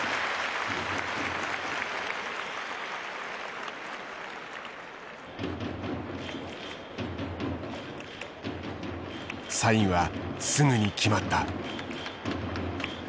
サインはすぐに決まった。